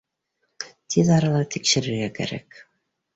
— Тиҙ арала тикшерергә кәрәк